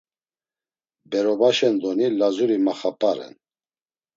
Berobaşen doni Lazuri maxap̌aren.